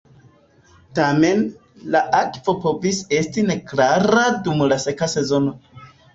Tamen, la akvo povis esti neklara dum la seka sezono.